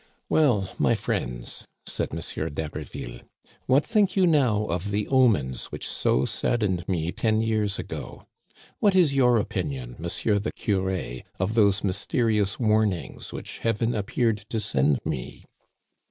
''Well, my friends," said M. d'Haberville, "what think you now of the omens which so saddened me ten years ago? What is your opinion. Monsieur the Curé, of those mysterious warnings which Heaven ap peared to send me